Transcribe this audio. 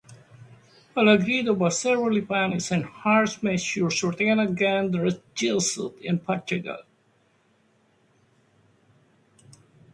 Malagrida was severely punished and harsh measures were taken against the Jesuits in Portugal.